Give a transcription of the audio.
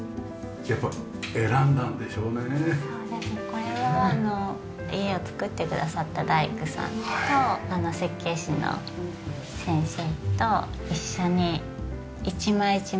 これは家を造ってくださった大工さんと設計士の先生と一緒に一枚一枚選びました。